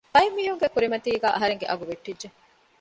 ބައެއް މީހުންގެ ކުރިމަތީގައި އަހަރެންގެ އަގު ވެއްޓިއްޖެ